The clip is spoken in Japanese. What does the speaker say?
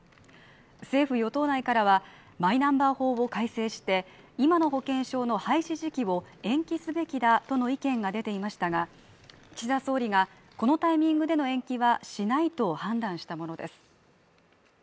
政府与党内からはマイナンバー法を改正して今の保険証の廃止時期を延期すべきだとの意見が出ていましたが岸田総理がこのタイミングでの延期はしないと判断したものです